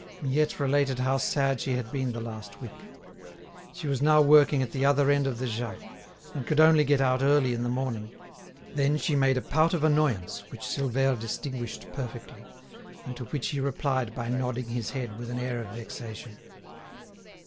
Miette related how sad she had been the last week. She was now working at the other end of the Jas, and could only get out early in the morning. Then she made a pout of annoyance which Silvère distinguished perfectly, and to which he replied by nodding his head with an air of vexation.